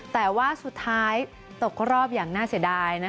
แต่ว่าสุดท้ายตกรอบอย่างน่าเสียดาย